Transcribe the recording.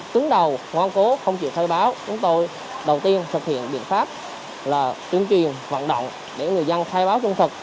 tướng đầu ngoan cố không chịu thay báo chúng tôi đầu tiên thực hiện biện pháp là tướng truyền vận động để người dân thay fart seugn thực